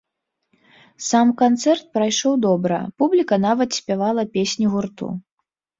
Сам канцэрт прайшоў добра, публіка нават спявала песні гурту.